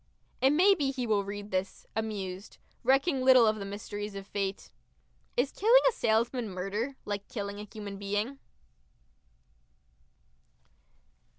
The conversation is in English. It may be he will read this amused recking little of the mysteries of fate.... Is killing a salesman murder, like killing a human being?